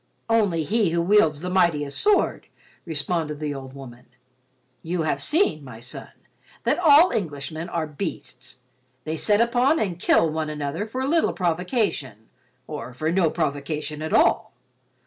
"Only he who wields the mightiest sword," responded the old woman. "You have seen, my son, that all Englishmen are beasts. They set upon and kill one another for little provocation or for no provocation at all.